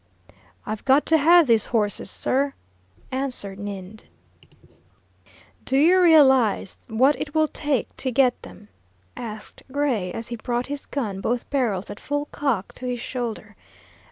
"I've got to have these horses, sir," answered Ninde. "Do you realize what it will take to get them?" asked Gray, as he brought his gun, both barrels at full cock, to his shoulder.